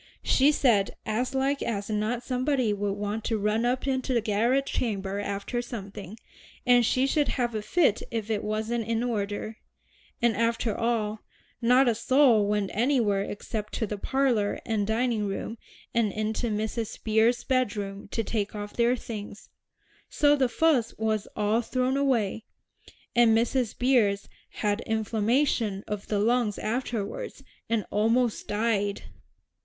She said as like as not somebody would want to run up into the garret chamber after something, and she should have a fit if it wasn't in order. And after all, not a soul went anywhere except to the parlor and dining room, and into Mrs. Beers's bedroom to take off their things; so the fuss was all thrown away, and Mrs. Beers had inflammation of the lungs afterward, and almost died."